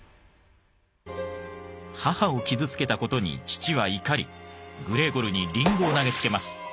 母を傷つけた事に父は怒りグレーゴルにリンゴを投げつけます。